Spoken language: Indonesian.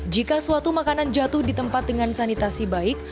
jika suatu makanan jatuh di tempat dengan sanitasi baik